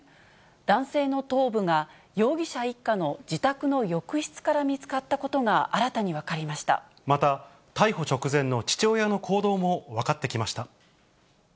男性の頭部が容疑者一家の自宅の浴室から見つかったことが新たにまた、逮捕直前の父親の行動も分かってきました。